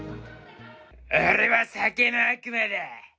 俺は酒の悪魔だ。